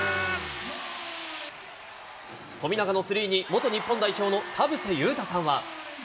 富永のスリーに、元日本代表の田臥勇太さんは。